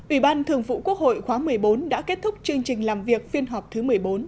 ủy ban thường vụ quốc hội khóa một mươi bốn đã kết thúc chương trình làm việc phiên họp thứ một mươi bốn